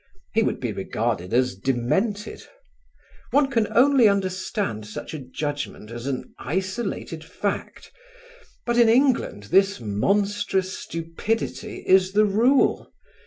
He would be regarded as demented. One can only understand such a judgment as an isolated fact. But in England this monstrous stupidity is the rule.